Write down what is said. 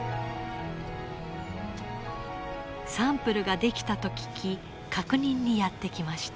サンプルが出来たと聞き確認にやって来ました。